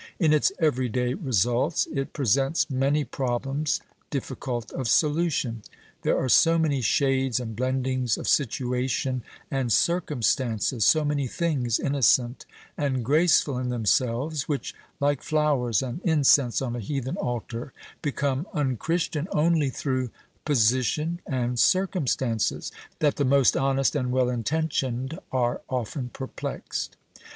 In its every day results, it presents many problems difficult of solution. There are so many shades and blendings of situation and circumstances, so many things, innocent and graceful in themselves, which, like flowers and incense on a heathen altar, become unchristian only through position and circumstances, that the most honest and well intentioned are often perplexed.